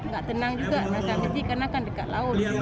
gak tenang juga masjid karena kan dekat laut